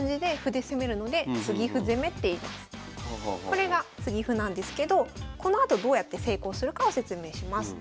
これが継ぎ歩なんですけどこのあとどうやって成功するかを説明します。